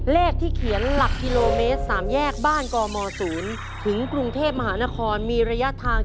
เลขที่เขียนหลักกิโลเมตร๓แยกบ้านกม๐ถึงกรุงเทพมหานครมีระยะทาง